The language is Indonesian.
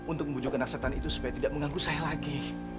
untuk membujukan anak setan itu supaya tidak mengganggu saya lagi